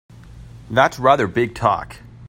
That's rather big talk!